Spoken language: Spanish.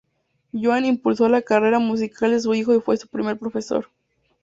Johann impulsó la carrera musical de su hijo y fue su primer profesor.